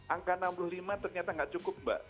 angka enam puluh lima ternyata nggak cukup mbak